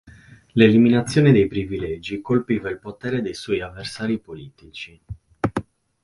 L'eliminazione dei privilegi colpiva il potere dei suoi avversari politici.